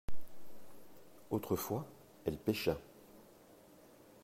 Autrefois elle pêcha.